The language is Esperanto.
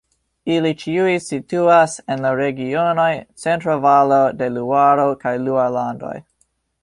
Ili ĉiuj situas en la regionoj Centro-Valo de Luaro kaj Luarlandoj.